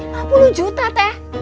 lima puluh juta teh